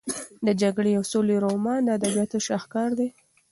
د جګړې او سولې رومان د ادبیاتو شاهکار دی.